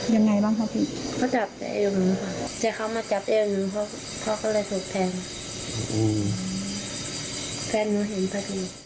ยังไงบ้างครับพี่